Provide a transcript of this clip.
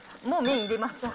もう、麺入れます。